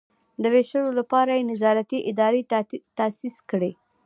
د ویشلو لپاره یې نظارتي ادارې تاسیس کړي.